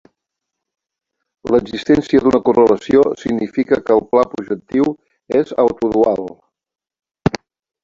L'existència d'una correlació significa que el pla projectiu és "auto dual".